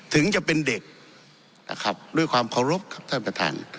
ถึงจะเป็นเด็กนะครับด้วยความเคารพครับท่านประธาน